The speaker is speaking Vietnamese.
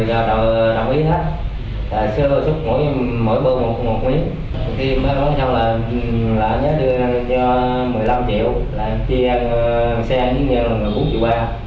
thì bọn chúng là nhớ đưa cho một mươi năm triệu chia xe với nhơn là bốn triệu ba